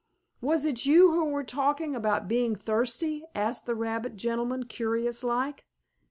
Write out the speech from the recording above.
"Was it you who were talking about being thirsty?" asked the rabbit gentleman, curious like.